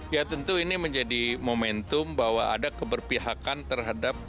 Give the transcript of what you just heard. ya tentu ini menjadi momentum bahwa ada keberpihakan terhadap